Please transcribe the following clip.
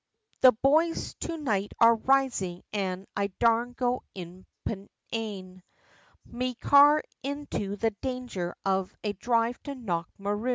The boys to night are risin' an' I darn't go impugn Me car into the danger, of a dhrive to Knockmaroon!"